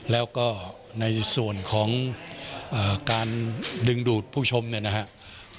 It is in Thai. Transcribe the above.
แล้วก็ในส่วนของการดึงดูดผู้ชมเนี่ยนะครับ